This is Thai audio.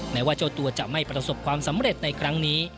แม้ว่าเจ้าตัวจะไม่ประสบความสำเร็จในครั้งนี้